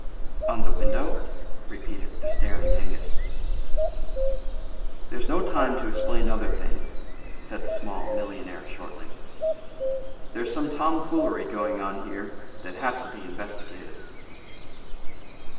"On the window?" repeated the staring Angus. "There's no time to explain other things," said the small millionaire shortly. "There's some tomfoolery going on here that has to be investigated."